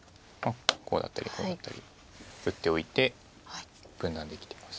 こうだったりこうだったり打っておいて分断できてます。